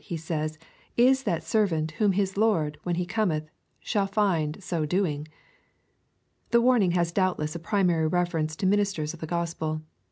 He says, "is that servant, whom his lord, when li6 Cometh, shall find so doing.'' The warning has doubtless a primary reference to ministers of the Gospel.